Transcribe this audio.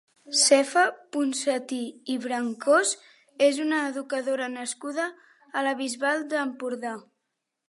Sefa Ponsatí i Brancós és una educadora nascuda a la Bisbal d'Empordà.